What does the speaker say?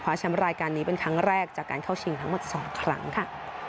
แชมป์รายการนี้เป็นครั้งแรกจากการเข้าชิงทั้งหมด๒ครั้งค่ะ